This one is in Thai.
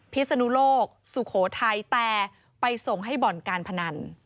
พิศนุโลกสุโขทัยแต่ไปส่งให้บ่อนการพนัน